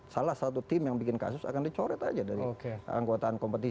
salah satu tim yang bikin kasus akan dicoret aja dari anggotaan kompetisi